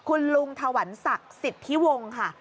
คุณลุงถวันศักดิ์สิทธิวงศ์ค่ะ